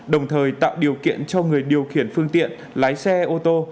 đồng thời tạo điều kiện cho người điều khiển phương tiện lái xe ô tô